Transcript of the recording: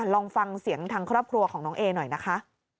ลองฟังเสียงทางครอบครัวของน้องเอหน่อยนะคะ